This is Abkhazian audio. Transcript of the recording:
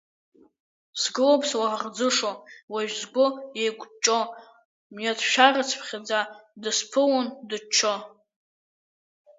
Сгылоуп слаӷырӡышо, уажә сгәы еиҟәҷҷо, мҩаҭшәарацԥхьаӡа дысԥылон дыччо.